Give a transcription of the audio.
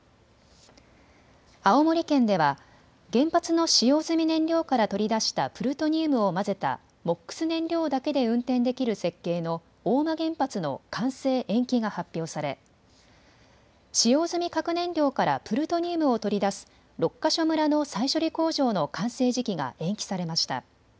青森県では原発の使用済み燃料から取り出したプルトニウムを混ぜたＭＯＸ燃料だけで運転できる設計の大間原発の完成延期が発表され、使用済み核燃料からプルトニウムを取り出す六ヶ所村の再処理工場の完成時期が延期されました。